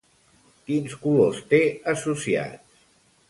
Quins colors té associats?